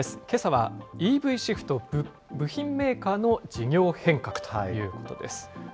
けさはＥＶシフト、部品メーカーの事業変革ということです。